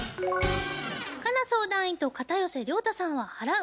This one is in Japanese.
佳奈相談員と片寄涼太さんは「払う」